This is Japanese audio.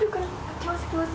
来ます来ます！